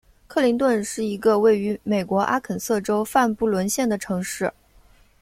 克林顿是一个位于美国阿肯色州范布伦县的城市。